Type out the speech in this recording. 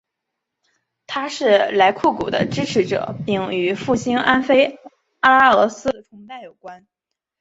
他是莱库古的支持者并与复兴安菲阿拉俄斯的崇拜有关。